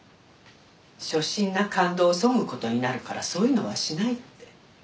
初心な感動を削ぐ事になるからそういうのはしないって。